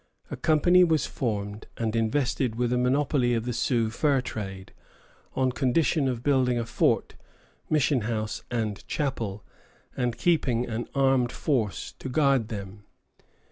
A company was formed, and invested with a monopoly of the Sioux fur trade, on condition of building a fort, mission house, and chapel, and keeping an armed force to guard them.